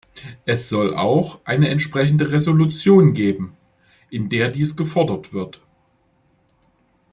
Es soll auch eine entsprechende Resolution geben, in der dies gefordert wird.